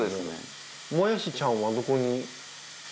もやしちゃんはどこに？